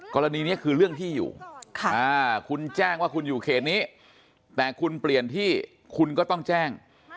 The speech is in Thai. กรณีนี้คือเรื่องที่อยู่คุณแจ้งว่าคุณอยู่เขตนี้แต่คุณเปลี่ยนที่คุณก็ต้องแจ้ง